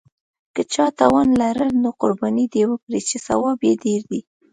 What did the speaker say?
که چا توان لاره نو قرباني دې وکړي، چې ثواب یې ډېر دی.